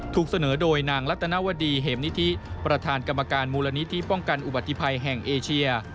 ถูกเสนอโดยนางรัตนวดีเหมนิธิประธานกรรมการมูลนิธิป้องกันอุบัติภัยแห่งเอเชีย